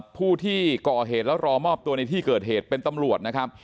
ผู้ที่ก่อเหตุแล้วรอมอบตัวในที่เกิดเหตุเป็นตำรวจนะครับ